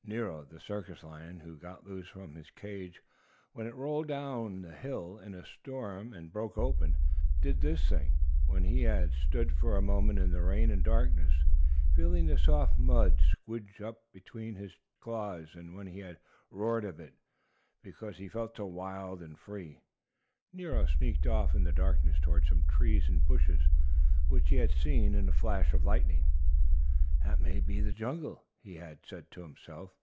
Nero, the circus lion, who got loose from his cage when it rolled downhill in the storm and broke open, did this thing. When he had stood for a moment in the rain and darkness, feeling the soft mud squdge up between his claws, and when he had roared a bit, because he felt so wild and free, Nero sneaked off in the darkness toward some trees and bushes, which he had seen in a flash of lightning. "That may be the jungle," he had said to himself.